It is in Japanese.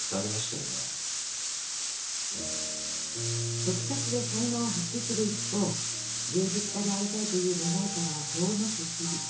特撮で才能を発揮する一方芸術家でありたいという願いからは遠のく日々。